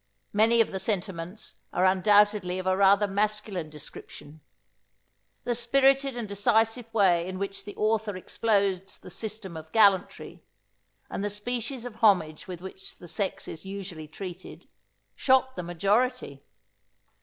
Many of the sentiments are undoubtedly of a rather masculine description. The spirited and decisive way in which the author explodes the system of gallantry, and the species of homage with which the sex is usually treated, shocked the majority.